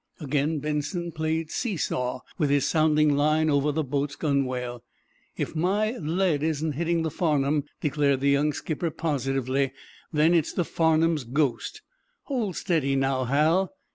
Again Benson played see saw with his sounding line over the boat's gunwale. "If my lead isn't hitting the 'Farnum,'" declared the young skipper, positively, "then it's the 'Farnum's' ghost. Hold steady, now, Hal."